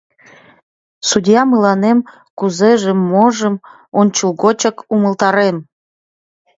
Судья мыланем кузежым-можым ончылгочак умылтарен.